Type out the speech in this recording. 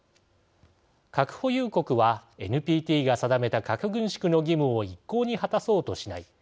核保有国はＮＰＴが定めた核軍縮の義務を一向に果たそうとしない。